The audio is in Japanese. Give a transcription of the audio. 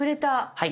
はい。